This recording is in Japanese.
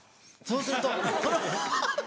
そうするとこの。